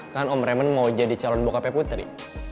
kan om raymond mau jadi calon bokapnya putri